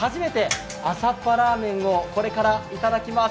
あさっぱラーメンをこれからいただきます。